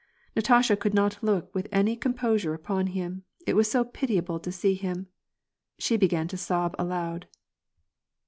Natasha could not look with any composure upon him, it was so pitiable to see him. She began to sob aloud.